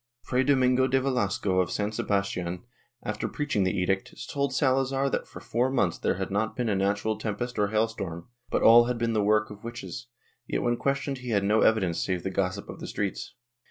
Fray Domingo de ^^elasco of San Sebastian, after preaching the Edict, told Salazar that for four months there had not been a natural tempest or hailstorm, but all had been the work of witches, yet when questioned he had no evidence save the gossip of the streets.